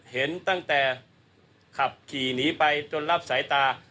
เห็นตั้งแต่ขับขี่หนีไปจนรับสายตา